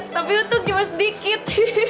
tapi untung cuma sedikit